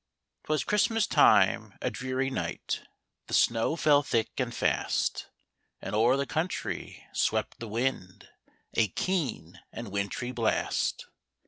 'TWAS Christmas time : a dreary night : The snow fell thick and fast, And o'er the country swept the wind A keen and wintry blast.